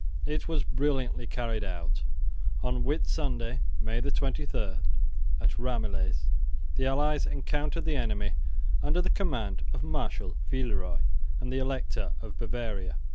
It was brilliantly carried out. On Whit Sunday, May 23, at Ramillies the allies encountered the enemy under the command of Marshal Villeroi and the Elector of Bavaria.